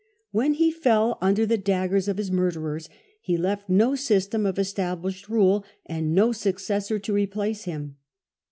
When he fell under vey'of the the daggers of his murderers, he left no sys KonSrom tern of established rule, and no successor to replace him.